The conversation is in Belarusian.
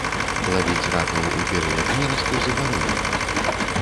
Лавіць ракаў у перыяд нерасту забаронена.